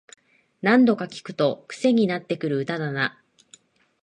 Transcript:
何度か聴くとクセになってくる歌だな